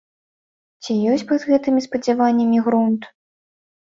Ці ёсць пад гэтымі спадзяваннямі грунт?